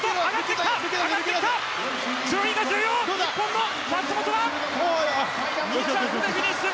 日本の松元は２着でフィニッシュ。